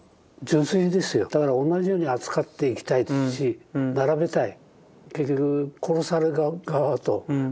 だから同じように扱っていきたいし並べたい。